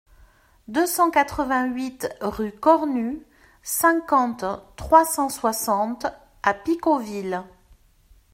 deux cent quatre-vingt-huit rue Cornu, cinquante, trois cent soixante à Picauville